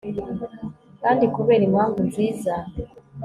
kandi kubera impamvu nziza